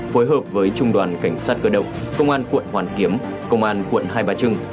phối hợp với trung đoàn cảnh sát cơ động công an quận hoàn kiếm công an quận hai bà trưng